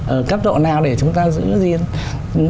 ở cấp độ nào để chúng ta giữ riêng